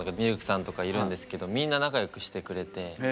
ＬＫさんとかいるんですけどみんな仲良くしてくれて。